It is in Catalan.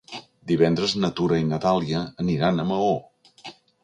Divendres na Tura i na Dàlia aniran a Maó.